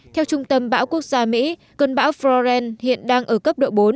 theo trung tâm bão quốc gia mỹ cơn bão floren hiện đang ở cấp độ bốn